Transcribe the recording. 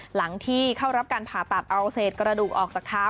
หลังที่เข้ารับการผ่าตัดเอาเศษกระดูกออกจากเท้า